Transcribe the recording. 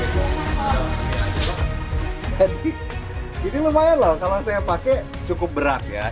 jadi ini lumayan loh kalau saya pakai cukup berat ya